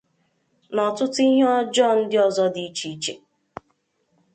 na ọtụtụ ihe ọjọọ ndị ọzọ dị iche iche